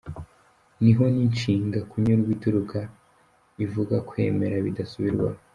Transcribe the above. Ni ho n’inshinga kunyurwa ituruka ivuga kwemera bidasubirwaho.